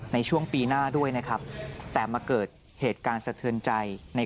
ในช่วงปีหน้าด้วยนะครับแต่มาเกิดเหตุการณ์สะเทือนใจใน